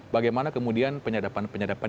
bagaimana kemudian penyadapan penyadapan